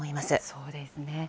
そうですね。